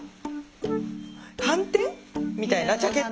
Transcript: はんてんみたいなジャケット？